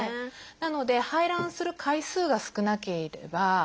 なので排卵する回数が少なければ。